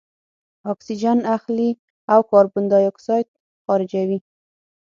اکسیجن اخلي او کاربن دای اکساید خارجوي.